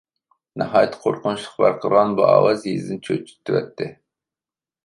ناھايىتى قورقۇنچلۇق ۋارقىرىغان بۇ ئاۋاز يېزىنى چۆچۈتۈۋەتتى.